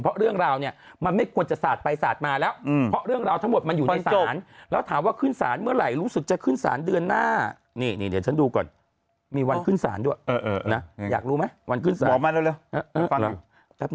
เพราะเรื่องราวเนี่ยมันไม่ควรจะสาดไปสาดมาแล้วเพราะเรื่องราวทั้งหมดมันอยู่ในศาลแล้วถามว่าขึ้นศาลเมื่อไหร่รู้สึกจะขึ้นสารเดือนหน้านี่เดี๋ยวฉันดูก่อนมีวันขึ้นศาลด้วยนะอยากรู้ไหมวันขึ้นศาล